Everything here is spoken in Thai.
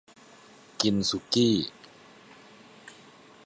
กินสุกี้